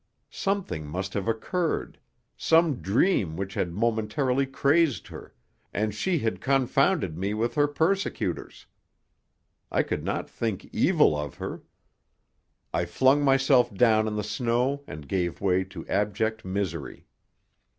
Something must have occurred some dream which had momentarily crazed her; and she had confounded me with her persecutors. I could not think evil of her. I flung myself down in the snow and gave way to abject misery.